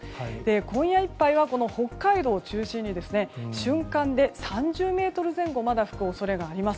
今夜いっぱいは北海道を中心に瞬間で３０メートル前後吹く恐れがあります。